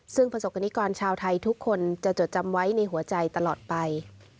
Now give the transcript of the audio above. ซึ่งประสบกรณิกรชาวไทยทุกคนจะจดจำไว้ในหัวใจตลอดไป